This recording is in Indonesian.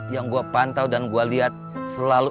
yang gue pantau dan gue liat selalu